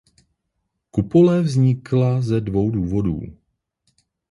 Kupole vznikla ze dvou důvodů.